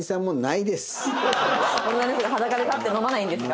女の人が裸で立って飲まないんですか？